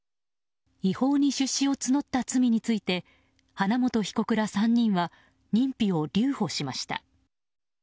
違法に出資を募った罪について花本被告ら３人は認否を留保しました。